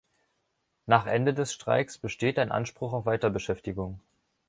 Nach Ende des Streiks besteht ein Anspruch auf Weiterbeschäftigung.